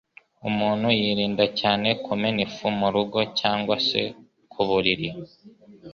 Umuntu yirinda cyane kumena ifu mu rugo, cyangwa se ku buriri,